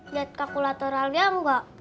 lihat kalkulatorannya enggak